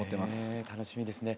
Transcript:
へ楽しみですね。